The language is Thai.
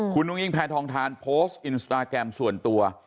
คุณอุ้งอิงแพทองทานโพสต์อินสตาแกรมส่วนตัว